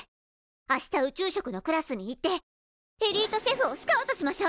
明日宇宙食のクラスに行ってエリートシェフをスカウトしましょう！